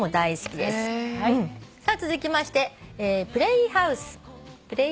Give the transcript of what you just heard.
さあ続きまして「プレイハウス」遊ぶ家。